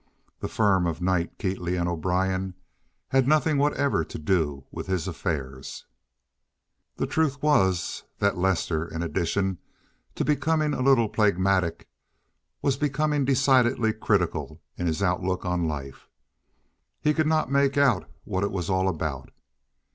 The firm of Knight, Keatley & O'Brien had nothing whatever to do with his affairs. The truth was that Lester, in addition to becoming a little phlegmatic, was becoming decidedly critical in his outlook on life. He could not make out what it was all about.